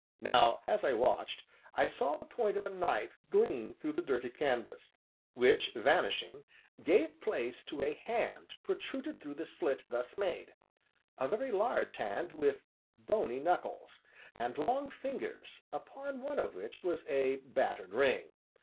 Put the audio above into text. Now, as I watched, I saw the point of a knife gleam through the dirty canvas, which, vanishing, gave place to a hand protruded through the slit thus made a very large hand with bony knuckles, and long fingers, upon one of which was a battered ring.